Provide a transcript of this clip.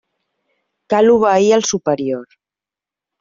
Cal obeir al superior.